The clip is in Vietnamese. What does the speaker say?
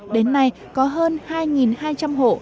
đến nay có hơn hai hai trăm linh hộ